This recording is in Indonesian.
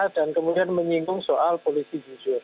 dan kemudian menyingkung soal polisi jujur